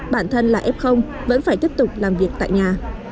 bản thân là f vẫn phải tiếp tục làm việc tại nhà